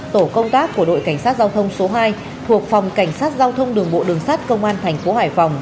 tổ công tác của đội cảnh sát giao thông số hai thuộc phòng cảnh sát giao thông đường bộ đường sát công an thành phố hải phòng